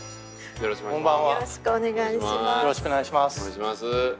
よろしくお願いします。